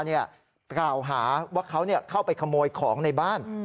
เก่าหาว่าเข้าไปขโมยของในบ้าน